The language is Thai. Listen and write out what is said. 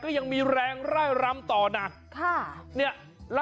แต่ก็ยังมีแรงไล่รามต่อหน่าขอบคุณได้ก่อนนะคะ